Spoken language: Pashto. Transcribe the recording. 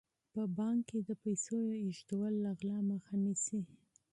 په بانک کې د پیسو ایښودل له غلا مخه نیسي.